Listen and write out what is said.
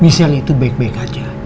misalnya itu baik baik aja